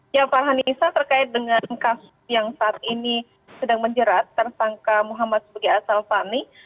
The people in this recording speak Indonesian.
ya farhanisa terkait dengan kasus yang saat ini sedang menjerat tersangka muhammad sebagai asal fani